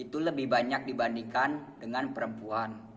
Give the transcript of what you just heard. itu lebih banyak dibandingkan dengan perempuan